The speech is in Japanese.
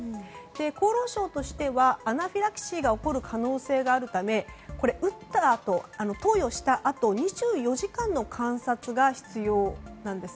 厚労省としてはアナフィラキシーが起こる可能性があるため投与したあと、２４時間の観察が必要なんです。